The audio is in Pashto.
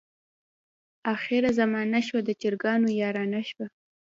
اخره زمانه شوه د چرګانو یارانه شوه.